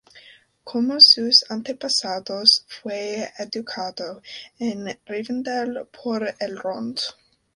Como sus antepasados, fue educado en Rivendel por Elrond.